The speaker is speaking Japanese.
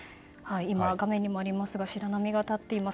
画面にもありますが白波が立っています。